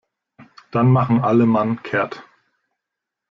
Dann machen alle Mann kehrt.